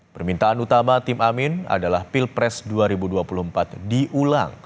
permintaan utama tim amin adalah pilpres dua ribu dua puluh empat diulang